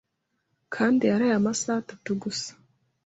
Kandeke yaraye amasaha atatu gusa.